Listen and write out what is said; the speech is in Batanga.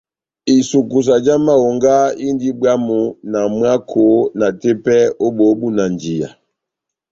Isukusa já mahonga indi bwamu na mwako na tepɛ ó bóhó búnanjiya.